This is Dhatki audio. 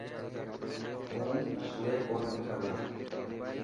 هون سوئي ڪونه پيو سگھان.